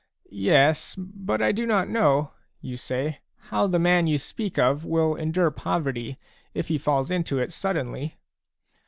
" Yes, but I do not know," you say, "how the man you speak of will endure poverty, if he falls into it suddenly.